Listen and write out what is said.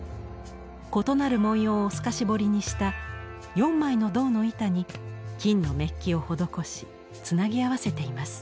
異なる文様を透かし彫りにした４枚の銅の板に金のメッキを施しつなぎ合わせています。